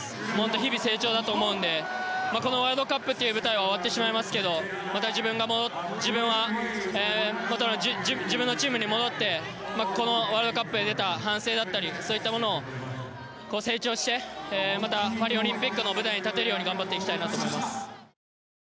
日々成長だと思うのでこのワールドカップという舞台は終わってしまいますけどまた自分は元の自分のチームに戻ってこのワールドカップで出た反省だったりそういったものを成長してパリオリンピックの舞台に立てるように頑張っていきたいなと思います。